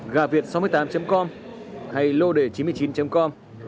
gàviệt sáu mươi tám com hay lôđề chín mươi chín com